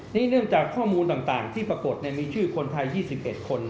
นี่เนื่องจากข้อมูลต่างที่ปรากฏมีชื่อคนไทย๒๑คน